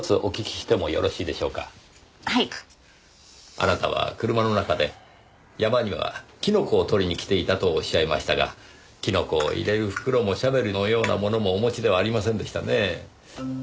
あなたは車の中で山にはキノコを採りに来ていたとおっしゃいましたがキノコを入れる袋もシャベルのようなものもお持ちではありませんでしたね。